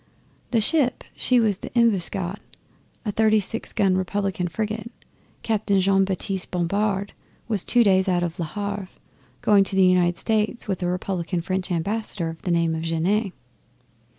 The ship she was the Embuscade, a thirty six gun Republican frigate, Captain Jean Baptiste Bompard, two days out of Le Havre, going to the United States with a Republican French Ambassador of the name of Genet.